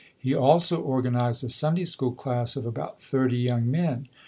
He also organized a Sunday school class of about thirty young men.